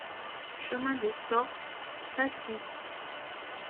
Chemin des Storts, Passy